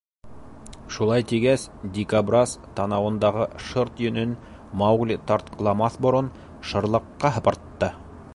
— Шулай тигәс, дикобраз, танауындағы шырт йөнөн Маугли тартҡыламаҫ борон, шырлыҡҡа һыпыртты.